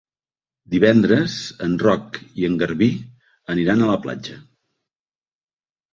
Divendres en Roc i en Garbí aniran a la platja.